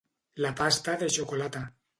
La pasta de xocolata.